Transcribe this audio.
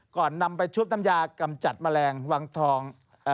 นำไปชุบน้ำยากำจัดแมลงวังทอง